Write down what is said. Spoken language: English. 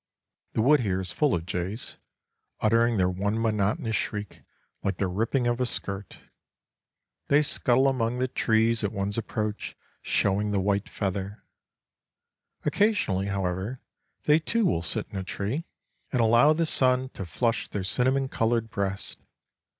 The wood here is full of jays, uttering their one monotonous shriek, like the ripping of a skirt. They scuttle among the trees at one's approach, showing the white feather. Occasionally, however, they too will sit in a tree and allow the sun to flush their cinnamon coloured breasts.